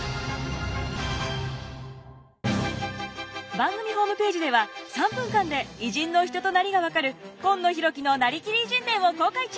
番組ホームページでは３分間で偉人の人となりが分かる「今野浩喜のなりきり偉人伝」を公開中！